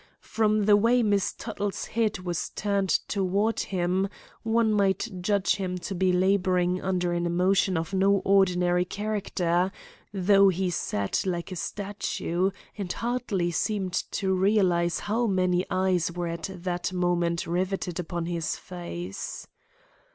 From the way Miss Tuttle's head was turned toward him, one might judge him to be laboring under an emotion of no ordinary character, though he sat like a statue and hardly seemed to realize how many eyes were at that moment riveted upon his face.